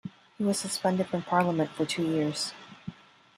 He was suspended from Parliament for two years.